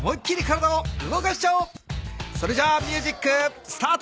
それじゃミュージックスタート！